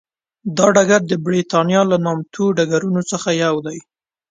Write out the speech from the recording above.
دا ډګر د برېتانیا له نامتو ډګرونو څخه یو دی.